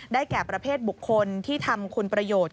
แก่ประเภทบุคคลที่ทำคุณประโยชน์